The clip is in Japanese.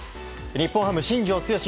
日本ハム、新庄剛志